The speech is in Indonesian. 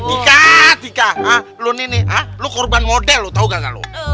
tika tika lo ini ha lo korban model lo tau gak lo